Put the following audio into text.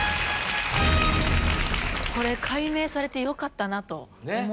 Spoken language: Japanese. これ解明されてよかったなと思います。